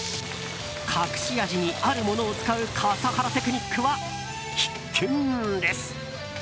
隠し味にあるものを使う笠原テクニックは必見です。